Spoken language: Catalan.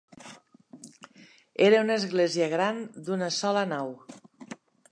Era una església gran d'una sola nau.